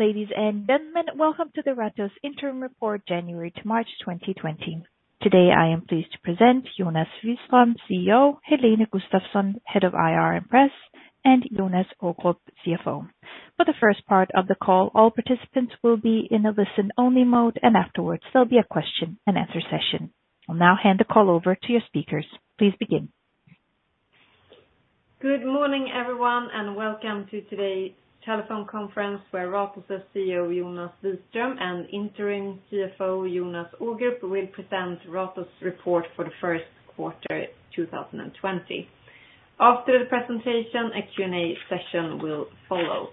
Ladies and gentlemen, welcome to the Ratos interim report, January to March 2020. Today, I am pleased to present Jonas Wiström, CEO, Helene Gustafsson, Head of IR and Press, and Jonas Ågrup, CFO. For the first part of the call, all participants will be in a listen-only mode, and afterwards, there'll be a question-and-answer session. I'll now hand the call over to your speakers. Please begin. Good morning, everyone, and welcome to today's telephone conference where Ratos' CEO, Jonas Wiström, and Interim CFO, Jonas Ågrup, will present Ratos' report for the first quarter 2020. After the presentation, a Q&A session will follow.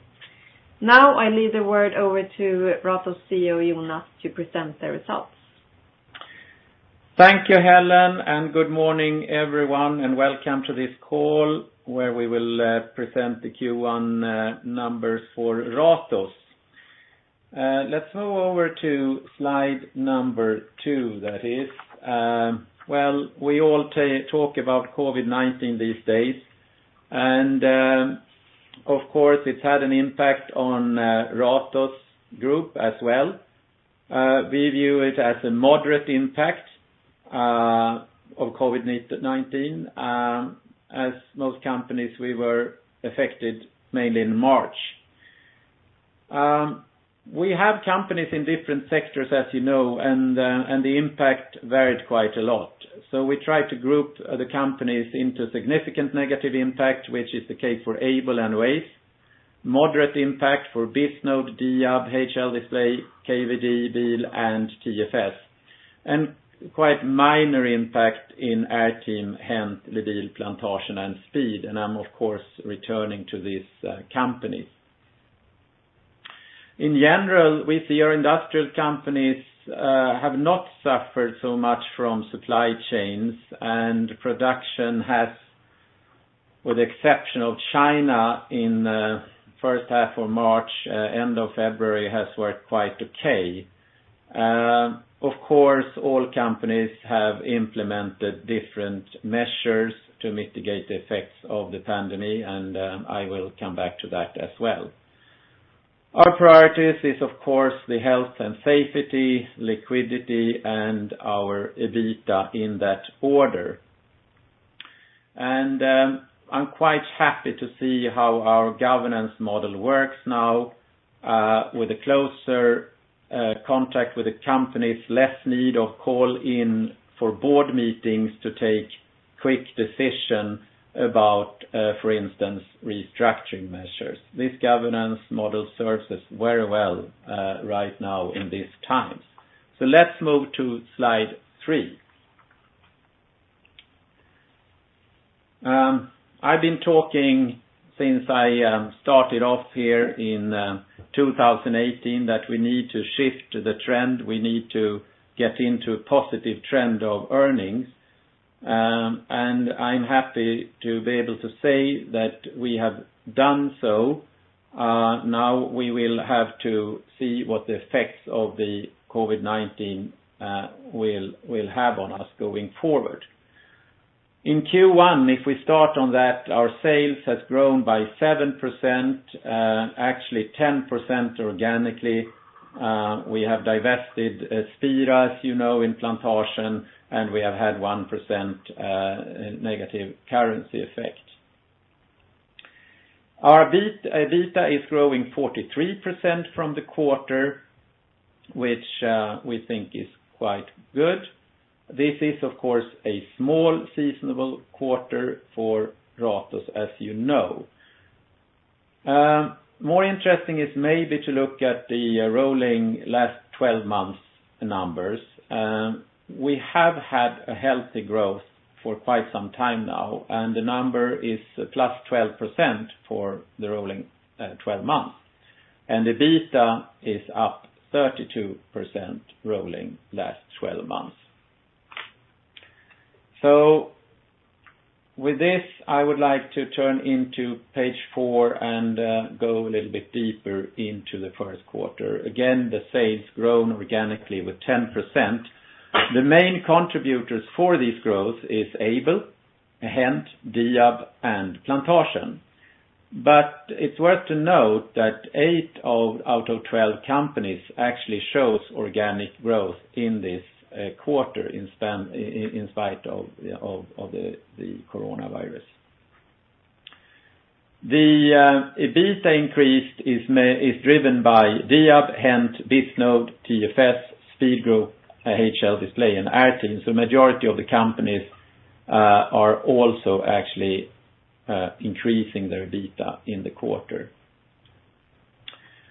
Now, I leave the word over to Ratos' CEO, Jonas, to present the results. Thank you, Helene, and good morning, everyone, and welcome to this call where we will present the Q1 numbers for Ratos. Let's move over to slide number two, that is. Well, we all talk about COVID-19 these days, and of course, it's had an impact on Ratos' group as well. We view it as a moderate impact of COVID-19, as most companies were affected mainly in March. We have companies in different sectors, as you know, and the impact varied quite a lot. So we tried to group the companies into significant negative impact, which is the case for Aibel, moderate impact for Bisnode, Diab, HL Display, KVD, Oase, and TFS, and quite minor impact in Airteam, HENT, LEDiL, Plantasjen, and Speed, and I'm, of course, returning to these companies. In general, we see our industrial companies have not suffered so much from supply chains, and production has, with the exception of China in the first half of March, end of February, has worked quite okay. Of course, all companies have implemented different measures to mitigate the effects of the pandemic, and I will come back to that as well. Our priorities are, of course, the health and safety, liquidity, and our EBITDA in that order. And I'm quite happy to see how our governance model works now, with a closer contact with the companies, less need of call-in for board meetings to take quick decisions about, for instance, restructuring measures. This governance model serves us very well right now in these times. So let's move to slide three. I've been talking since I started off here in 2018 that we need to shift the trend. We need to get into a positive trend of earnings, and I'm happy to be able to say that we have done so. Now, we will have to see what the effects of the COVID-19 will have on us going forward. In Q1, if we start on that, our sales have grown by 7%, actually 10% organically. We have divested Spira, as you know, in Plantasjen, and we have had 1%- currency effect. Our EBITDA is growing 43% from the quarter, which we think is quite good. This is, of course, a small seasonal quarter for Ratos, as you know. More interesting is maybe to look at the rolling last 12 months' numbers. We have had a healthy growth for quite some time now, and the number is +12% for the rolling 12 months, and EBITDA is up 32% rolling last 12 months. So with this, I would like to turn into page four and go a little bit deeper into the first quarter. Again, the sales grown organically with 10%. The main contributors for this growth are Aibel, HENT, Diab, and Plantasjen, but it's worth to note that 8 out of 12 companies actually show organic growth in this quarter in spite of the coronavirus. The EBITDA increase is driven by Diab, HENT, Bisnode, TFS, Speed Group, HL Display, and Airteam, so the majority of the companies are also actually increasing their EBITDA in the quarter.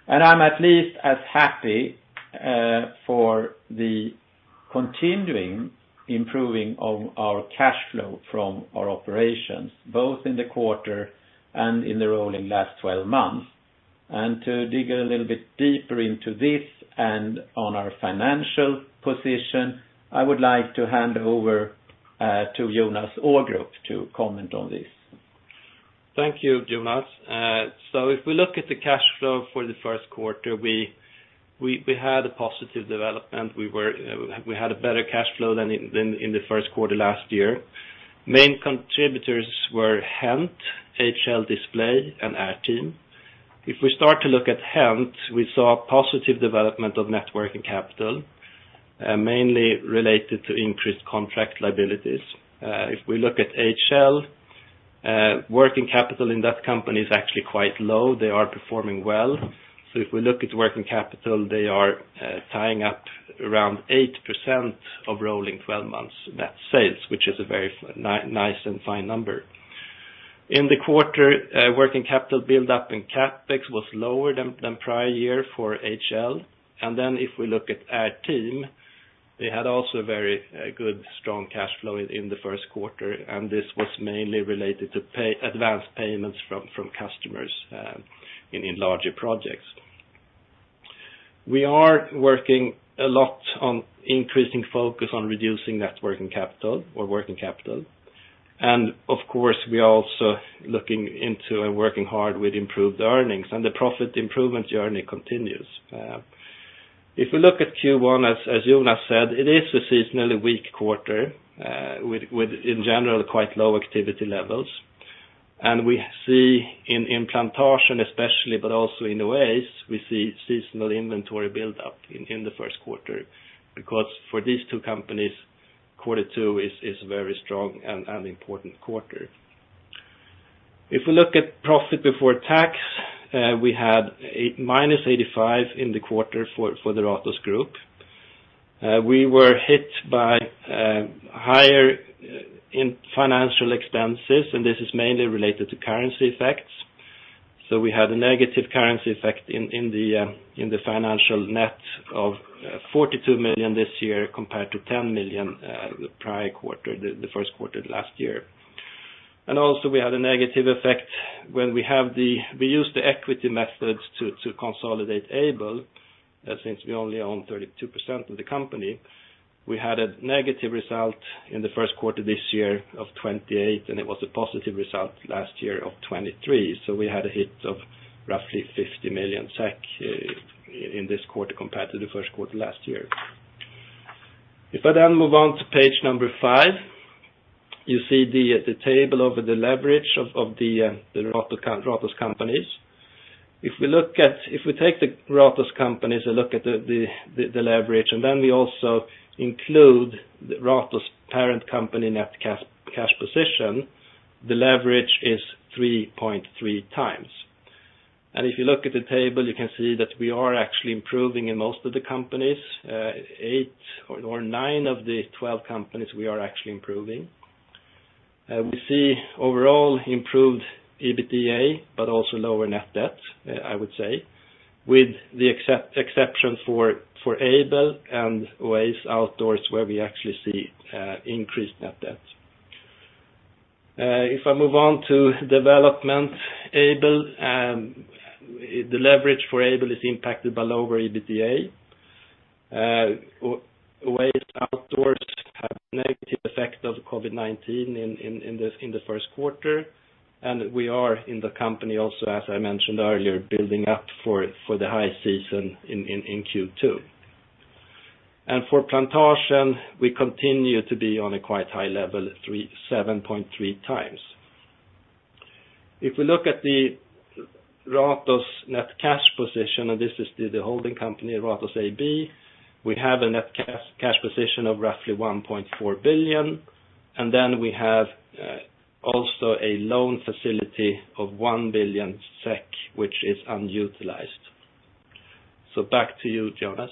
And I'm at least as happy for the continuing improving of our cash flow from our operations, both in the quarter and in the rolling last 12 months. And to dig a little bit deeper into this and on our financial position, I would like to hand over to Jonas Ågrup to comment on this. Thank you, Jonas. So if we look at the cash flow for the first quarter, we had a positive development. We had a better cash flow than in the first quarter last year. Main contributors were HENT, HL Display, and Airteam. If we start to look at HENT, we saw a positive development of net working capital, mainly related to increased contract liabilities. If we look at HL, working capital in that company is actually quite low. They are performing well. So if we look at working capital, they are tying up around 8% of rolling 12 months net sales, which is a very nice and fine number. In the quarter, working capital buildup in CapEx was lower than prior year for HL. And then if we look at Airteam, they had also a very good, strong cash flow in the first quarter, and this was mainly related to advanced payments from customers in larger projects. We are working a lot on increasing focus on reducing net working capital or working capital, and of course, we are also looking into and working hard with improved earnings, and the profit improvement journey continues. If we look at Q1, as Jonas said, it is a seasonally weak quarter with, in general, quite low activity levels, and we see in Plantasjen, especially, but also in Oase, we see seasonal inventory buildup in the first quarter because for these two companies, quarter two is a very strong and important quarter. If we look at profit before tax, we had -85 in the quarter for the Ratos Group. We were hit by higher financial expenses, and this is mainly related to currency effects. So we had a negative currency effect in the financial net of 42 million this year compared to 10 million the prior quarter, the first quarter last year. And also, we had a negative effect when we used the equity methods to consolidate Aibel, since we only own 32% of the company. We had a negative result in the first quarter this year of 28 million, and it was a positive result last year of 23 million, so we had a hit of roughly 50 million SEK in this quarter compared to the first quarter last year. If I then move on to page number five, you see the table of the leverage of the Ratos companies. If we take the Ratos companies and look at the leverage, and then we also include Ratos' parent company net cash position, the leverage is 3.3x. If you look at the table, you can see that we are actually improving in most of the companies. 8 or 9 of the 12 companies, we are actually improving. We see overall improved EBITDA, but also lower net debt, I would say, with the exception for Aibel and Oase Outdoors, where we actually see increased net debt. If I move on to development, Aibel, the leverage for Aibel is impacted by lower EBITDA. Oase Outdoors had a negative effect of COVID-19 in the first quarter, and we are in the company also, as I mentioned earlier, building up for the high season in Q2. For Plantasjen, we continue to be on a quite high level, 7.3x. If we look at the Ratos net cash position, and this is the holding company, Ratos AB, we have a net cash position of roughly 1.4 billion, and then we have also a loan facility of 1 billion SEK, which is unutilized. So back to you, Jonas.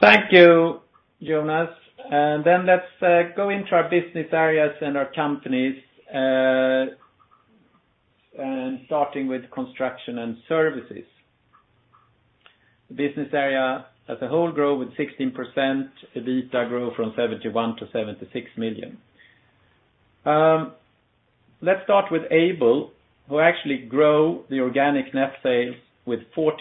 Thank you, Jonas. Then let's go into our business areas and our companies, starting with construction and services. The business area as a whole grew with 16%. EBITDA grew from 71 million to 76 million. Let's start with Aibel, who actually grew the organic net sales with 42%.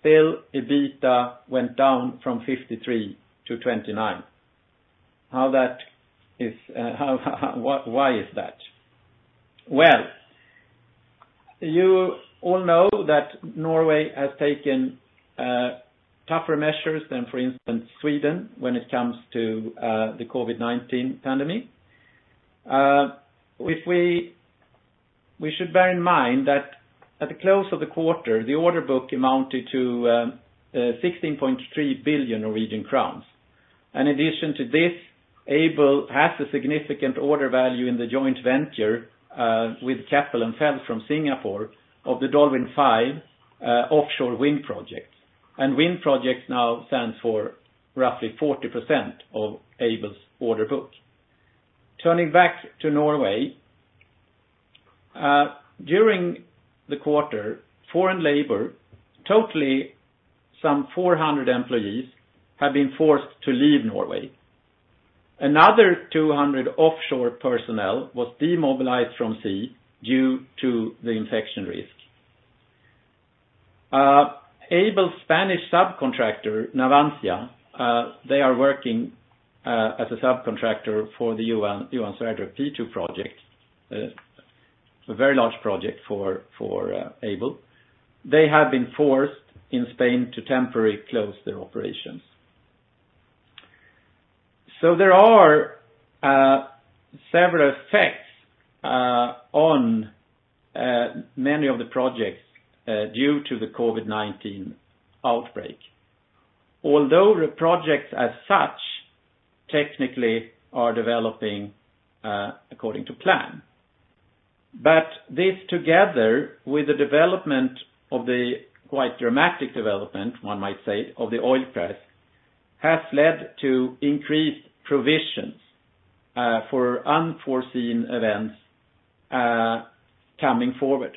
Still, EBITDA went down from 53 million to 29 million. Why is that? Well, you all know that Norway has taken tougher measures than, for instance, Sweden when it comes to the COVID-19 pandemic. We should bear in mind that at the close of the quarter, the order book amounted to 16.3 billion Norwegian crowns. In addition to this, Aibel has a significant order value in the joint venture with Keppel FELS from Singapore of the DolWin5 offshore wind project, and wind project now stands for roughly 40% of Aibel's order book. Turning back to Norway, during the quarter, foreign labor, totaling some 400 employees, have been forced to leave Norway. Another 200 offshore personnel were demobilized from the sea due to the infection risk. Aibel's Spanish subcontractor, Navantia, they are working as a subcontractor for the Johan Sverdrup P2 project, a very large project for Aibel. They have been forced in Spain to temporarily close their operations. So there are several effects on many of the projects due to the COVID-19 outbreak, although the projects as such technically are developing according to plan. But this together with the quite dramatic development, one might say, of the oil price has led to increased provisions for unforeseen events coming forward.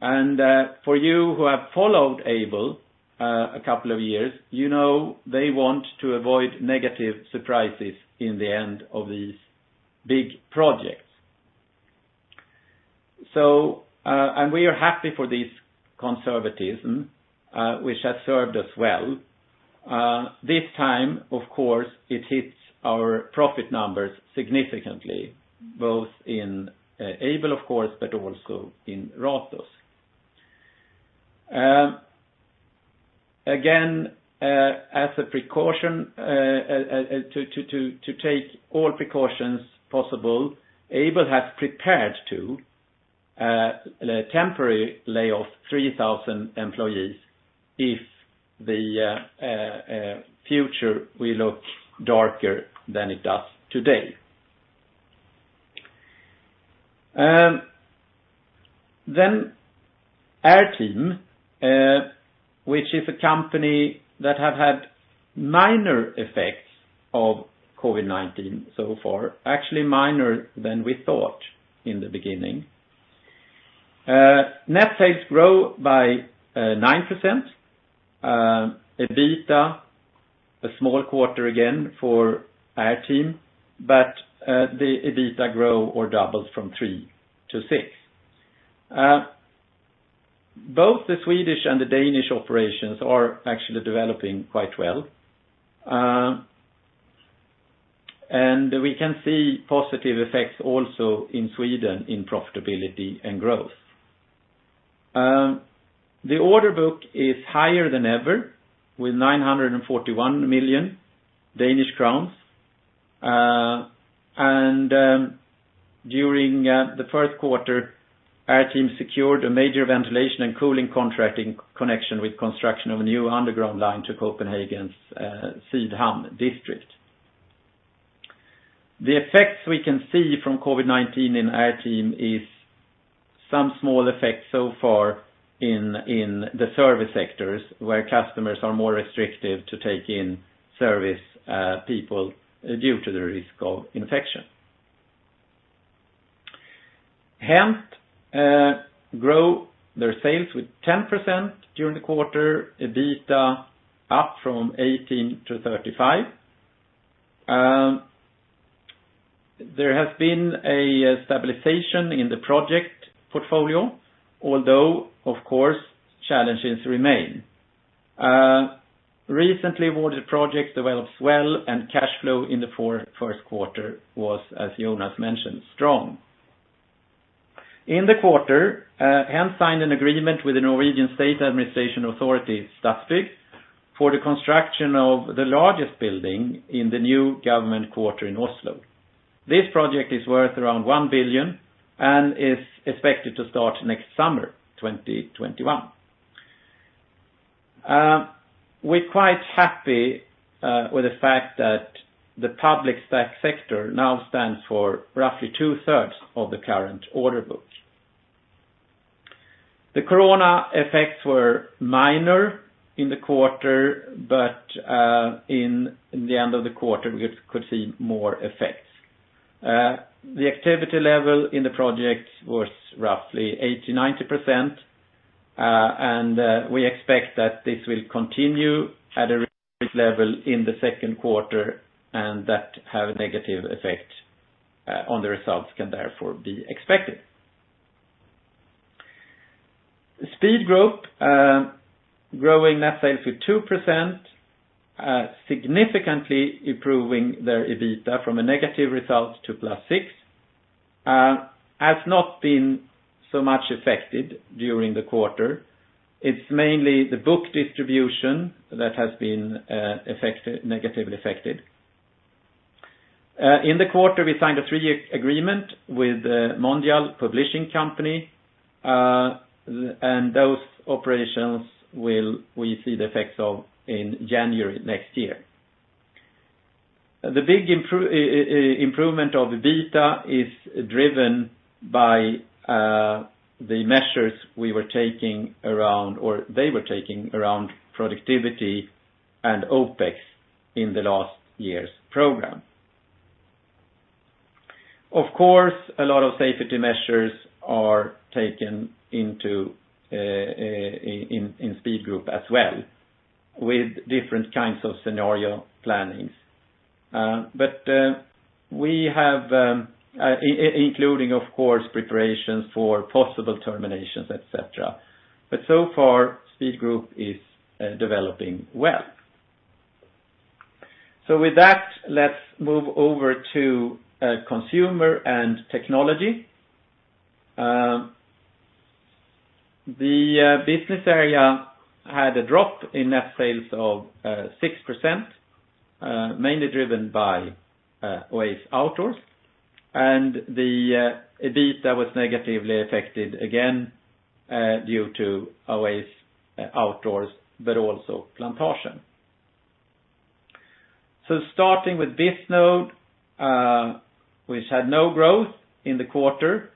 And for you who have followed Aibel a couple of years, you know they want to avoid negative surprises in the end of these big projects. And we are happy for this conservatism, which has served us well. This time, of course, it hits our profit numbers significantly, both in Aibel, of course, but also in Ratos. Again, as a precaution, to take all precautions possible, Aibel has prepared to temporarily lay off 3,000 employees if the future will look darker than it does today. Then Airteam, which is a company that has had minor effects of COVID-19 so far, actually minor than we thought in the beginning. Net sales grew by 9%. EBITDA, a small quarter again for Airteam, but the EBITDA grew or doubled from 3 to 6. Both the Swedish and the Danish operations are actually developing quite well, and we can see positive effects also in Sweden in profitability and growth. The order book is higher than ever with 941 million Danish crowns, and during the first quarter, Airteam secured a major ventilation and cooling contract in connection with construction of a new underground line to Copenhagen's Sydhavn district. The effects we can see from COVID-19 in Airteam are some small effects so far in the service sectors where customers are more restrictive to take in service people due to the risk of infection. HENT grew their sales with 10% during the quarter. EBITDA up from 18 to 35. There has been a stabilization in the project portfolio, although, of course, challenges remain. Recently awarded projects developed well, and cash flow in the first quarter was, as Jonas mentioned, strong. In the quarter, HENT signed an agreement with the Norwegian State Administration Authority, Statsbygg, for the construction of the largest building in the new government quarter in Oslo. This project is worth around 1 billion and is expected to start next summer, 2021. We're quite happy with the fact that the public sector now stands for roughly 2/3 of the current order book. The corona effects were minor in the quarter, but in the end of the quarter, we could see more effects. The activity level in the project was roughly 80%-90%, and we expect that this will continue at a risk level in the second quarter and that has a negative effect on the results can therefore be expected. Speed Group, growing net sales with 2%, significantly improving their EBITDA from a negative result to +6%. It has not been so much affected during the quarter. It's mainly the book distribution that has been negatively affected. In the quarter, we signed a three-year agreement with Mondial Publishing Company, and we will see the effects of those operations in January next year. The big improvement in EBITDA is driven by the measures we were taking around, or they were taking around, productivity and OpEx in last year's program. Of course, a lot of safety measures are taken in Speed Group as well with different kinds of scenario plannings, but we have, including, of course, preparations for possible terminations, etc. But so far, Speed Group is developing well. So with that, let's move over to Consumer and Technology. The business area had a drop in net sales of 6%, mainly driven by Oase Outdoors, and the EBITDA was negatively affected again due to Oase Outdoors, but also Plantasjen. Starting with Bisnode, which had no growth in the quarter,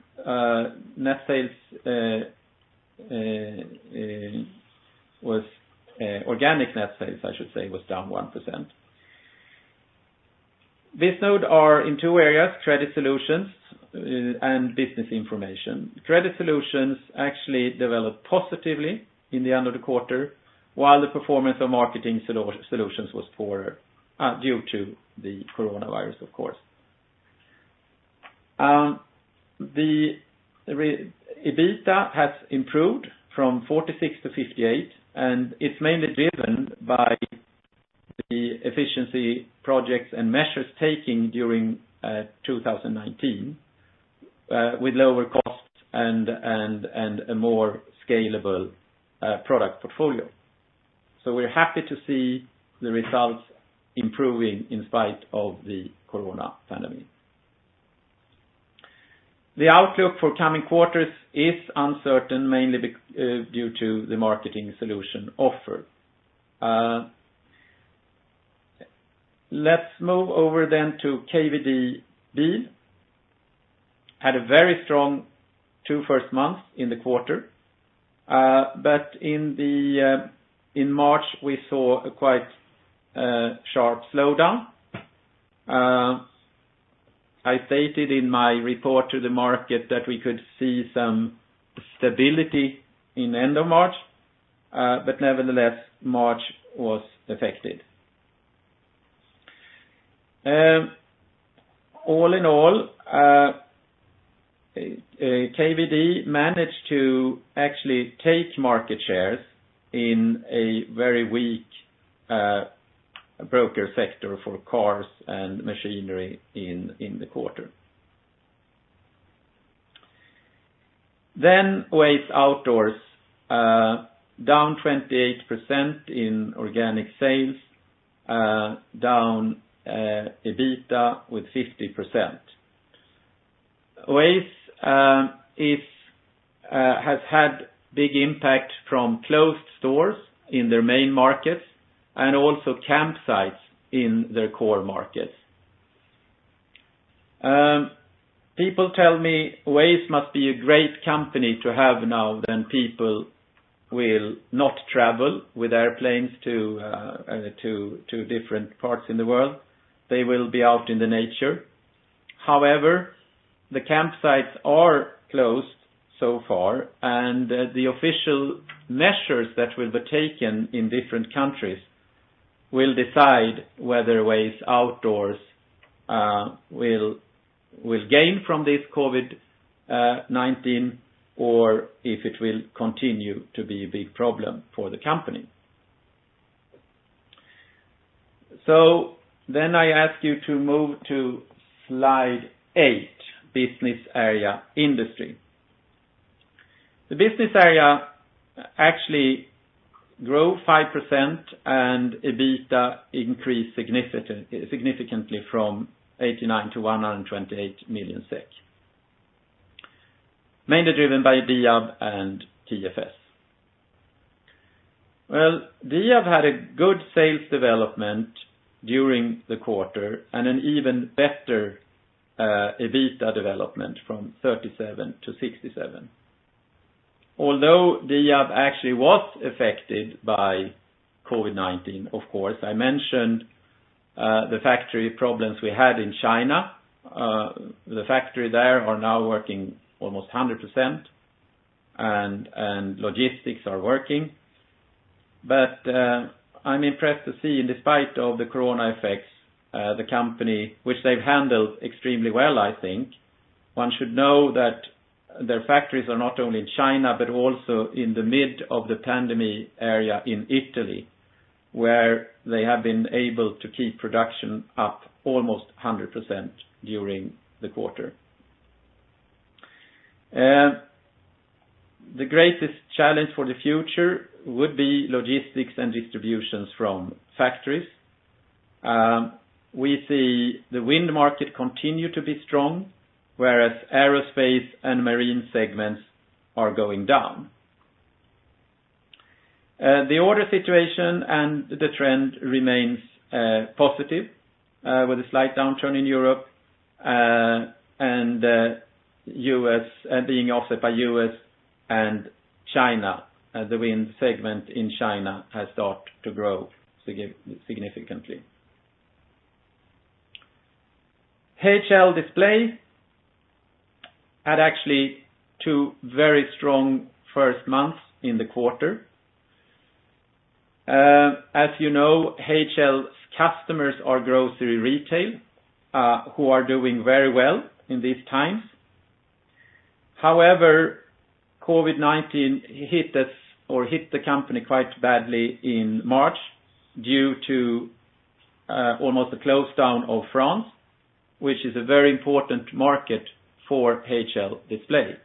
net sales was organic net sales, I should say, was down 1%. Bisnode is in two areas: Credit Solutions and Business Information. Credit Solutions actually developed positively in the end of the quarter, while the performance of Marketing Solutions was poorer due to the coronavirus, of course. The EBITDA has improved from 46 to 58, and it's mainly driven by the efficiency projects and measures taken during 2019 with lower costs and a more scalable product portfolio. We're happy to see the results improving in spite of the corona pandemic. The outlook for coming quarters is uncertain, mainly due to the Marketing Solution offer. Let's move over then to Kvdbil. It had a very strong first two months in the quarter, but in March, we saw a quite sharp slowdown. I stated in my report to the market that we could see some stability in the end of March, but nevertheless, March was affected. All in all, KVD managed to actually take market shares in a very weak broker sector for cars and machinery in the quarter. Then Oase Outdoors, down 28% in organic sales, down EBITDA with 50%. Oase has had a big impact from closed stores in their main markets and also campsites in their core markets. People tell me Oase must be a great company to have now when people will not travel with airplanes to different parts in the world. They will be out in nature. However, the campsites are closed so far, and the official measures that will be taken in different countries will decide whether Oase Outdoors will gain from this COVID-19 or if it will continue to be a big problem for the company. So then I ask you to move to slide eight, business area industry. The business area actually grew 5%, and EBITDA increased significantly from 89 million-128 million SEK, mainly driven by Diab and TFS. Well, Diab had a good sales development during the quarter and an even better EBITDA development from 37-67. Although Diab actually was affected by COVID-19, of course. I mentioned the factory problems we had in China. The factory there is now working almost 100%, and logistics are working. But I'm impressed to see, despite the corona effects, the company, which they've handled extremely well, I think. One should know that their factories are not only in China but also in the midst of the pandemic area in Italy, where they have been able to keep production up almost 100% during the quarter. The greatest challenge for the future would be logistics and distribution from factories. We see the wind market continue to be strong, whereas aerospace and marine segments are going down. The order situation and the trend remain positive with a slight downturn in Europe and being offset by U.S. and China. The wind segment in China has started to grow significantly. HL Display had actually two very strong first months in the quarter. As you know, HL's customers are grocery retail who are doing very well in these times. However, COVID-19 hit the company quite badly in March due to almost the close down of France, which is a very important market for HL Display.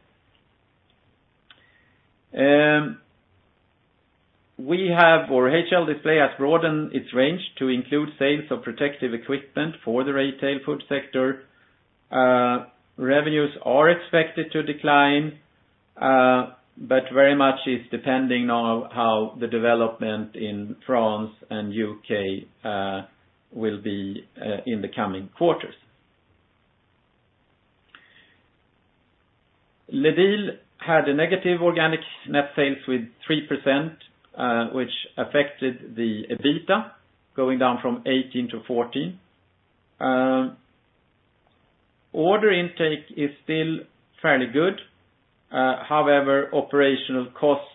HL Display has broadened its range to include sales of protective equipment for the retail food sector. Revenues are expected to decline, but very much is depending on how the development in France and U.K. will be in the coming quarters. LEDiL had a negative organic net sales with 3%, which affected the EBITDA, going down from 18 to 14. Order intake is still fairly good. However, operational costs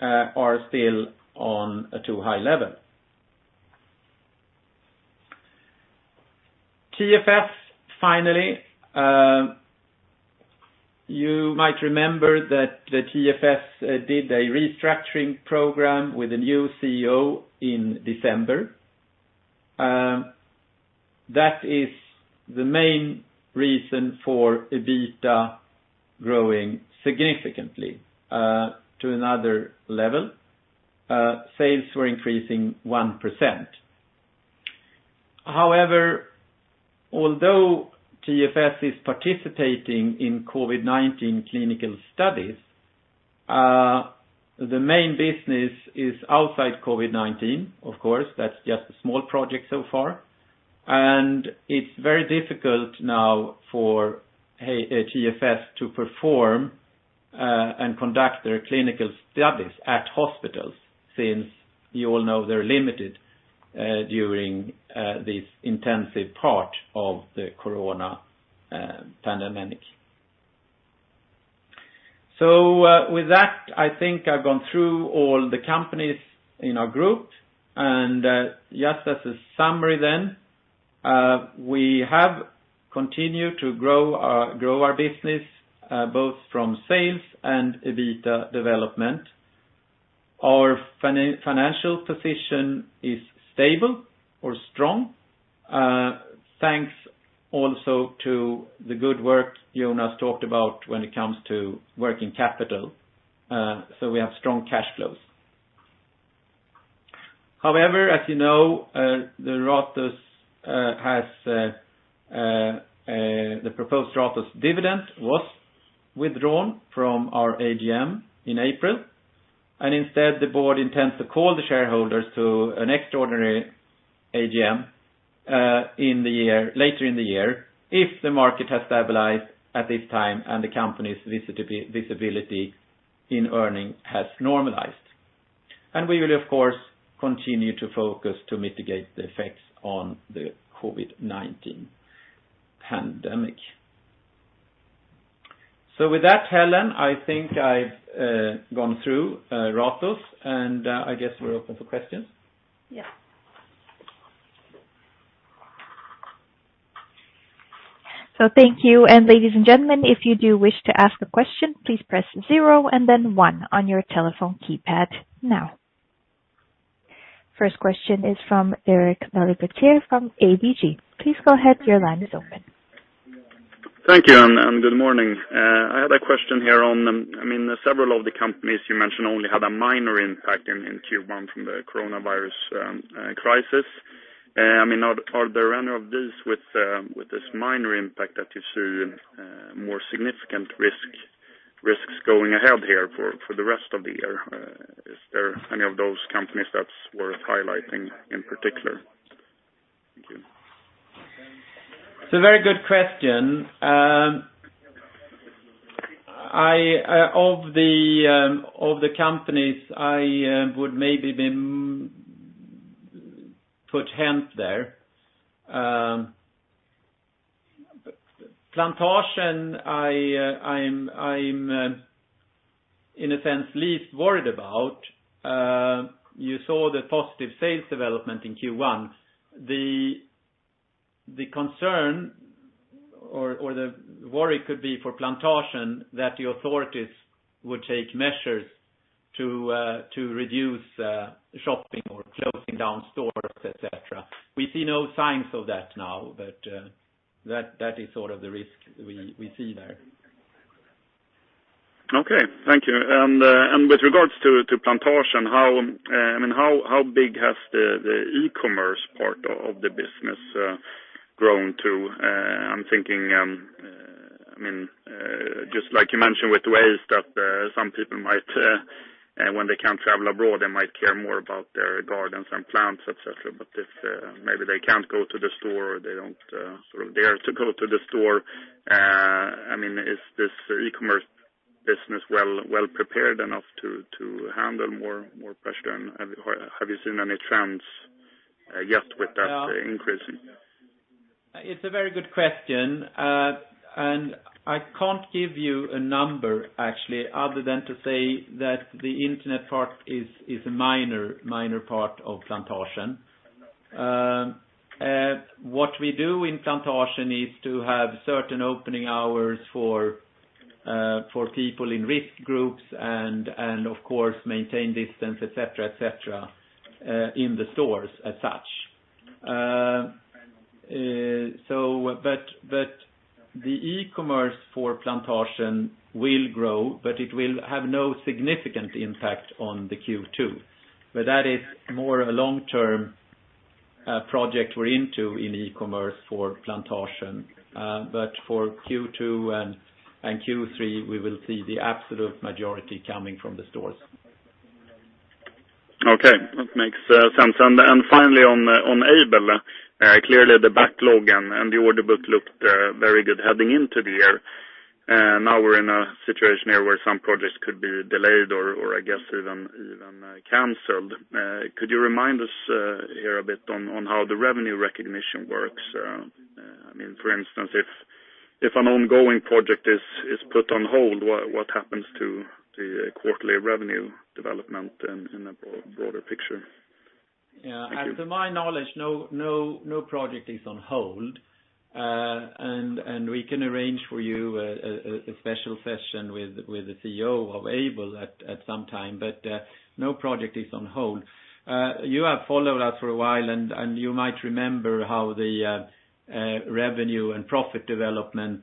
are still on a too high level. TFS, finally, you might remember that TFS did a restructuring program with a new CEO in December. That is the main reason for EBITDA growing significantly to another level. Sales were increasing 1%. However, although TFS is participating in COVID-19 clinical studies, the main business is outside COVID-19, of course. That's just a small project so far. And it's very difficult now for TFS to perform and conduct their clinical studies at hospitals since you all know they're limited during this intensive part of the corona pandemic. So with that, I think I've gone through all the companies in our group. And just as a summary then, we have continued to grow our business both from sales and EBITDA development. Our financial position is stable or strong thanks also to the good work Jonas talked about when it comes to working capital. So we have strong cash flows. However, as you know, the proposed Ratos dividend was withdrawn from our AGM in April. And instead, the board intends to call the shareholders to an extraordinary AGM later in the year if the market has stabilized at this time and the company's visibility in earnings has normalized. And we will, of course, continue to focus to mitigate the effects on the COVID-19 pandemic. So with that, Helene, I think I've gone through Ratos, and I guess we're open for questions. Yes. So thank you. And ladies and gentlemen, if you do wish to ask a question, please press zero and then one on your telephone keypad now. First question is from Derek Laliberte from ABG. Please go ahead. Your line is open. Thank you, and good morning. I had a question here on, I mean, several of the companies you mentioned only had a minor impact in Q1 from the coronavirus crisis. I mean, are there any of these with this minor impact that you see more significant risks going ahead here for the rest of the year? Is there any of those companies that's worth highlighting in particular? Thank you. It's a very good question. Of the companies, I would maybe put HENT there. Plantasjen, I'm in a sense least worried about. You saw the positive sales development in Q1. The concern or the worry could be for Plantasjen that the authorities would take measures to reduce shopping or closing down stores, etc. We see no signs of that now, but that is sort of the risk we see there. Okay. Thank you. And with regards to Plantasjen, I mean, how big has the e-commerce part of the business grown to? I'm thinking, I mean, just like you mentioned with waves, that some people might, when they can't travel abroad, they might care more about their gardens and plants, etc. But if maybe they can't go to the store or they don't sort of dare to go to the store, I mean, is this e-commerce business well prepared enough to handle more pressure? And have you seen any trends yet with that increasing? It's a very good question. And I can't give you a number, actually, other than to say that the internet part is a minor part of Plantasjen. What we do in Plantasjen is to have certain opening hours for people in risk groups and, of course, maintain distance, etc., etc., in the stores as such. But the e-commerce for Plantasjen will grow, but it will have no significant impact on the Q2. But that is more a long-term project we're into in e-commerce for Plantasjen. But for Q2 and Q3, we will see the absolute majority coming from the stores. Okay. That makes sense. And finally, on Aibel, clearly the backlog and the order book looked very good heading into the year. Now we're in a situation here where some projects could be delayed or, I guess, even canceled. Could you remind us here a bit on how the revenue recognition works? I mean, for instance, if an ongoing project is put on hold, what happens to the quarterly revenue development in a broader picture? Yeah. To my knowledge, no project is on hold. And we can arrange for you a special session with the CEO of Aibel at some time. But no project is on hold. You have followed us for a while, and you might remember how the revenue and profit development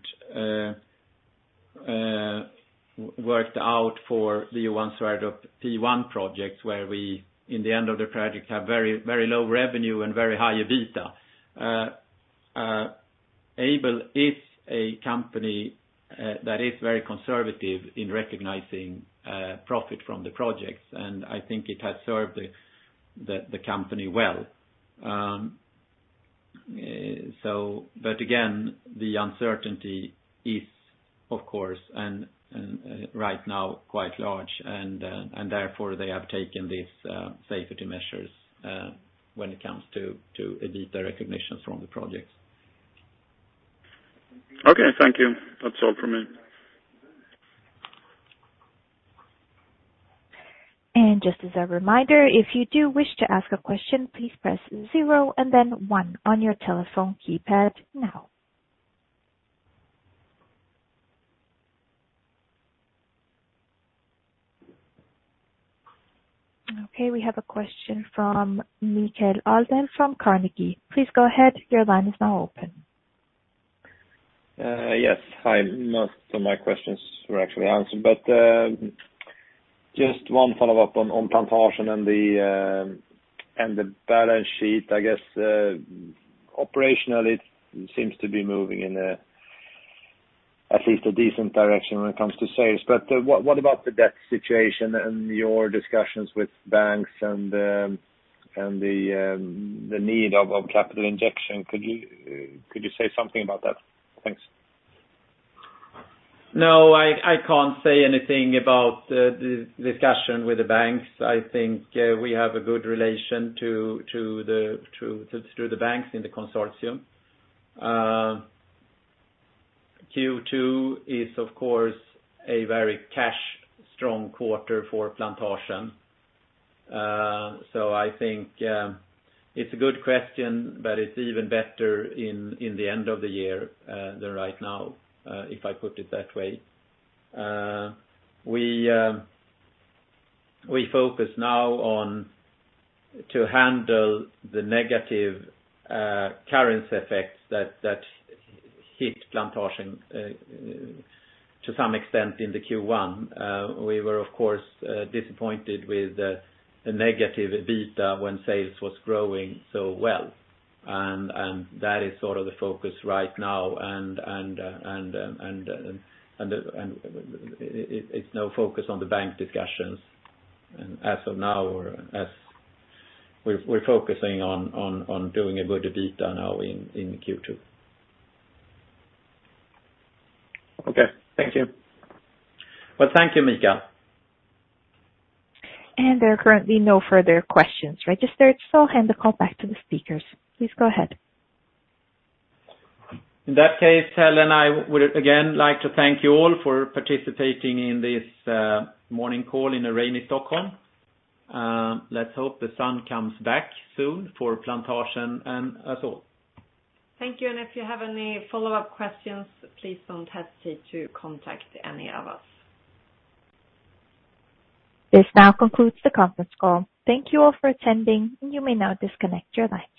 worked out for the ones who are the P1 projects where we, in the end of the project, have very low revenue and very high EBITDA. Aibel is a company that is very conservative in recognizing profit from the projects, and I think it has served the company well, but again, the uncertainty is, of course, and right now quite large, and therefore, they have taken these safety measures when it comes to EBITDA recognition from the projects. Okay. Thank you. That's all for me. And just as a reminder, if you do wish to ask a question, please press zero and then one on your telephone keypad now. Okay. We have a question from Mikael Laséen from Carnegie. Please go ahead. Your line is now open. Yes. Hi. Most of my questions were actually answered. But just one follow-up on Plantasjen and the balance sheet. I guess operationally, it seems to be moving in at least a decent direction when it comes to sales. But what about the debt situation and your discussions with banks and the need of capital injection? Could you say something about that? Thanks. No, I can't say anything about the discussion with the banks. I think we have a good relation to the banks in the consortium. Q2 is, of course, a very cash-strong quarter for Plantasjen. So I think it's a good question, but it's even better in the end of the year than right now, if I put it that way. We focus now on handling the negative currency effects that hit Plantasjen to some extent in the Q1. We were, of course, disappointed with the negative EBITDA when sales were growing so well, and that is sort of the focus right now, and there's no focus on the bank discussions as of now. We're focusing on doing a good EBITDA now in Q2. Okay. Thank you. Well, thank you, Michael. And there are currently no further questions registered, so I'll hand the call back to the speakers. Please go ahead. In that case, Helene and I would again like to thank you all for participating in this morning call in a rainy Stockholm. Let's hope the sun comes back soon for Plantasjen and us all. Thank you. And if you have any follow-up questions, please don't hesitate to contact any of us. This now concludes the conference call. Thank you all for attending. You may now disconnect your lines.